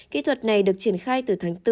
kỹ thuật này được triển khai từ tháng bốn